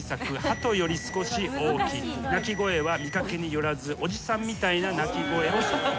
鳴き声は見掛けによらずおじさんみたいな鳴き声をしている。